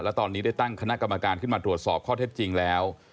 และตอนนี้ได้ตั้งคณะกรรมการขึ้นมาตรวจสอบข้อเท็จจริงแล้ว